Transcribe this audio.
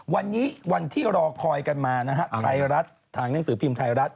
วันนี้วันที่รอคอยกันมานะฮะไทยรัฐทางหนังสือพิมพ์ไทยรัฐ